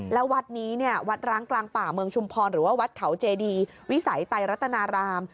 แล้ววัดนี้เนี่ยวัดร้างกลางป่าเมืองชุมพรหรือว่าวัดเขาเจดีวิสัยไตรัตนาราม